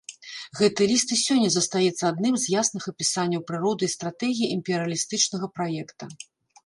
Гэты ліст і сёння застаецца адным з ясных апісанняў прыроды і стратэгіі імперыялістычнага праекта.